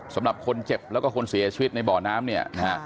สำหรับคนเจ็บแล้วก็คนเสียชีวิตในบ่อน้ำเนี่ยนะฮะ